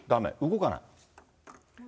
動かない？